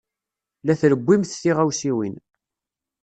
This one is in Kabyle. La trewwimt tiɣawsiwin.